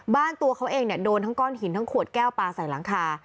ตัวเขาเองเนี่ยโดนทั้งก้อนหินทั้งขวดแก้วปลาใส่หลังคา